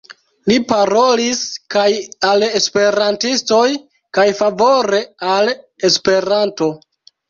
Li parolis kaj al Esperantistoj kaj favore al Esperanto.